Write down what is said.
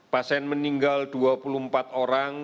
pasien meninggal dua puluh empat orang